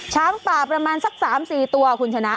ช้างป่าประมาณสัก๓๔ตัวคุณชนะ